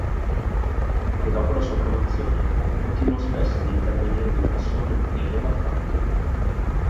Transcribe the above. Anche dopo la sua promozione continuò spesso ad intervenire di persona nelle battaglie.